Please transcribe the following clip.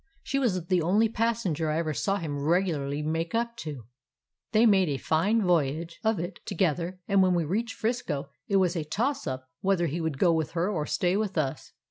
She was the only passenger I ever saw him regularly make up to. They made a fine voyage of it together, and when we reached 'Frisco it was a toss up whether he would go with her or stay with us.